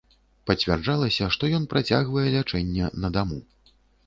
Пацвярджалася, што ён працягвае лячэнне на даму.